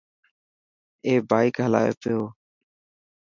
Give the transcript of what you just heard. اي بائڪ هلائي پيو.